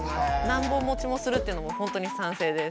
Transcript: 何本持ちもするっていうのも本当に賛成です。